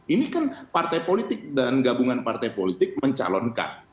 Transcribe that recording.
ini kan partai politik dan gabungan partai politik mencalonkan